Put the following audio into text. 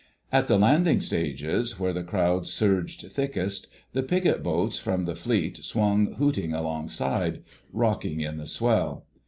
At the landing stages, where the crowd surged thickest, the picket boats from the Fleet swung hooting alongside, rocking in the swell.